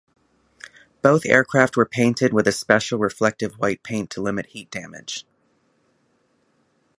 Both aircraft were painted with a special reflective white paint to limit heat damage.